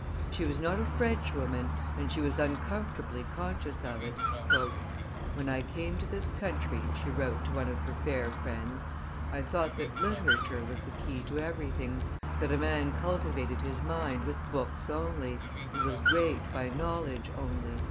She was not a Frenchwoman, and she was uncomfortably conscious of it. "When I came to this country," she wrote to one of her fair friends, "I thought that literature was the key to everything, that a man cultivated his mind with books only, and was great by knowledge only."